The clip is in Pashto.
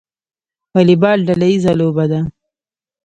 والیبال ډله ییزه لوبه ده